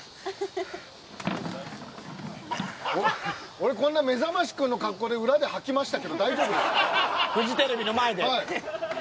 俺こんなめざましくんの格好で裏で吐きましたけどフジテレビの前で？